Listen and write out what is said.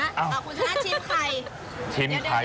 คุณชนะชิมไข่ชิมไข่เลยเหรอครับ